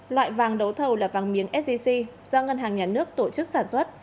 loại vàng đấu thầu là vàng miếng sgc do ngân hàng nhà nước tổ chức sản xuất